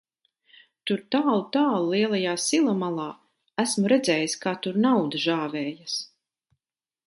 Tur tālu, tālu lielajā sila malā, esmu redzējis, kā tur nauda žāvējas.